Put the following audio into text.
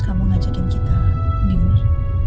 kamu ngajakin kita di luar